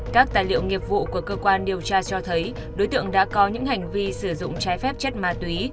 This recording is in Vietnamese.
các tài liệu nghiệp vụ của cơ quan điều tra cho thấy đối tượng đã có những hành vi sử dụng trái phép chất ma túy